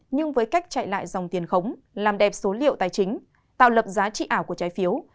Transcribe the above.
nhưng với cách chạy lại dòng tiền khống làm đẹp số liệu tài chính tạo lập giá trị ảo của trái phiếu